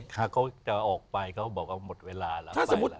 เขาก็จะออกไปเขาบอกว่าหมดเวลาแล้วไปแล้ว